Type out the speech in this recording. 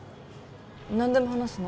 何でも話すの？